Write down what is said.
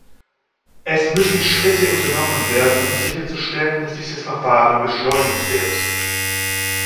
Es müssen Schritte unternommen werden, um sicherzustellen, dass dieses Verfahren beschleunigt wird.